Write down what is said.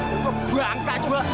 aku bangka juga